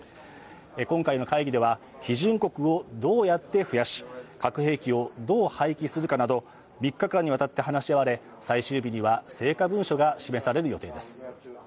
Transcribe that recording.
今回の会議では批准国をどうやって増やし、核兵器をどう廃棄するかなど３日間にわたって話し合われ最終日には、成果文書が示される予定です。